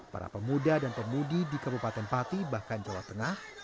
para pemuda dan pemudi di kabupaten pati bahkan jawa tengah